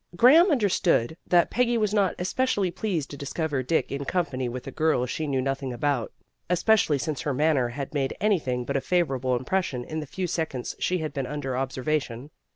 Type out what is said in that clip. Graham understood that Peggy was not especially pleased to dis cover Dick in company with a girl she knew nothing about, especially since her manner had made anything but a favorable impression in the few seconds she had been under observa tion.